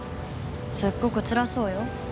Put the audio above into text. すっごくつらそうよ。